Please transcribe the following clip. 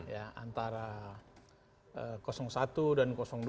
ya antara satu dan dua